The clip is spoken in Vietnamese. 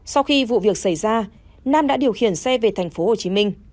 sau khi vụ việc xảy ra nam đã điều khiển xe về tp hcm